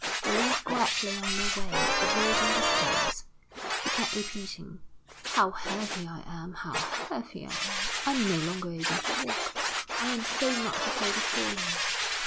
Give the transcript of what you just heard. They went quietly on their way, avoiding the stones. She kept repeating: "How heavy I am! How heavy I am! I am no longer able to walk. I am so much afraid of falling!"